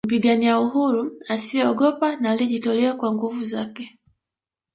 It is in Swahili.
Mpigania uhuru asiyeogopa na aliyejitolea kwa nguvu zake